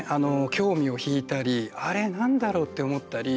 興味を引いたり、あれ何だろうって思ったり。